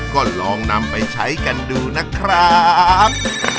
ก็ลองนำไปใช้กันดูนะครับ